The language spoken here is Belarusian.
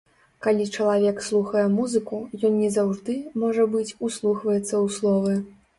Калі чалавек слухае музыку, ён не заўжды, можа быць, услухваецца ў словы.